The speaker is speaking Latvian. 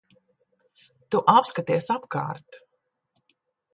Tu apskaties apkārt.